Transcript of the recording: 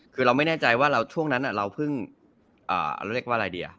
คือเราไม่แน่ใจว่าช่วงนั้นเราเพิ่งเรียกว่าอะไรดี